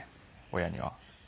親には。